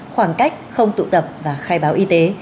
khoảng cách không tụ tập và khai báo y tế